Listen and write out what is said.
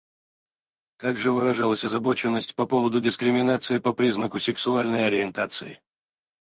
Также выражалась озабоченность по поводу дискриминации по признаку сексуальной ориентации.